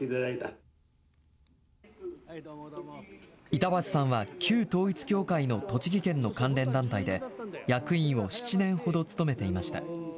板橋さんは、旧統一教会の栃木県の関連団体で、役員を７年ほど務めていました。